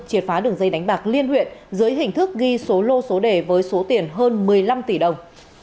triệt phá đường dây đánh bạc liên huyện dưới hình thức ghi số lô số đề với số tiền hơn một mươi năm tỷ đồng